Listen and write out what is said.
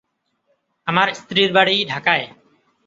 আমার স্ত্রীর বাড়ি ঢাকায়।